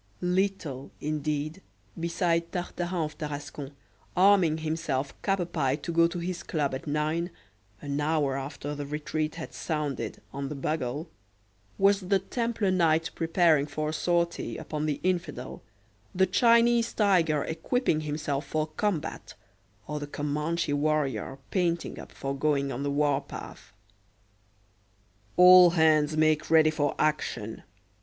LITTLE, indeed, beside Tartarin of Tarascon, arming himself capa pie to go to his club at nine, an hour after the retreat had sounded on the bugle, was the Templar Knight preparing for a sortie upon the infidel, the Chinese tiger equipping himself for combat, or the Comanche warrior painting up for going on the war path. "All hands make ready for action!"